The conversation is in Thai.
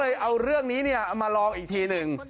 เอาเรื่องนี้เอามาลองอีกทีหนึ่ง